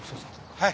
はい。